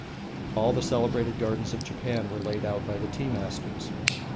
All the celebrated gardens of Japan were laid out by the tea masters.